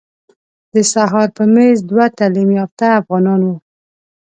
د سهار په میز دوه تعلیم یافته افغانان وو.